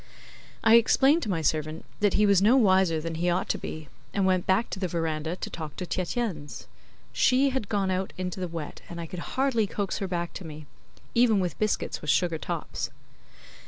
I explained to my servant that he was no wiser than he ought to be, and went back to the verandah to talk to Tietjens. She had gone out into the wet, and I could hardly coax her back to me; even with biscuits with sugar tops.